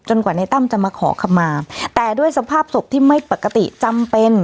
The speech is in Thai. กว่าในตั้มจะมาขอขมาแต่ด้วยสภาพศพที่ไม่ปกติจำเป็น